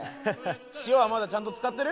塩はまだちゃんと使ってる？